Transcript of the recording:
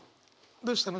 どうしたの？